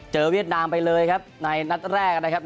เวียดนามไปเลยครับในนัดแรกนะครับ